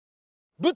舞台